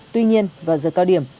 tuy nhiên vào giờ cao điểm